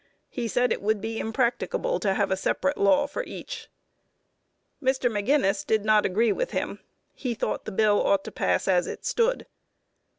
He said it would be impracticable to have a separate law for each. Mr. Maginnis did not agree with him. He thought the bill ought to pass as it stood.